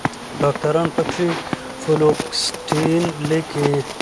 ډاکټران پکښې فلوکسیټين لیکي